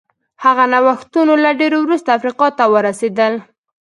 هغه نوښتونه ډېر وروسته افریقا ته ورسېدل.